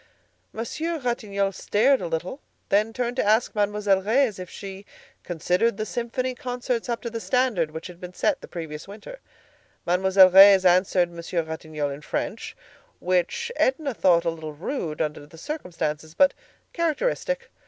Monsieur Ratignolle stared a little, and turned to ask Mademoiselle Reisz if she considered the symphony concerts up to the standard which had been set the previous winter. Mademoiselle Reisz answered Monsieur Ratignolle in French, which Edna thought a little rude, under the circumstances, but characteristic.